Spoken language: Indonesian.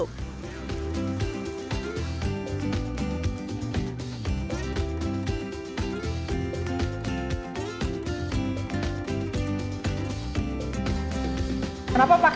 sebagian besar dari musim seks